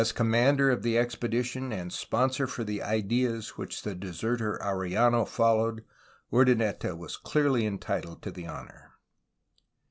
As commander of the expedition and sponsor for the ideas which the deserter Arellano followed, Urdaneta was clearly entitled to the honor.